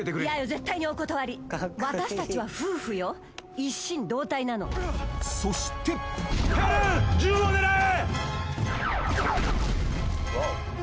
絶対にお断り私たちは夫婦よ一心同体なのそしてヘレン銃を狙え！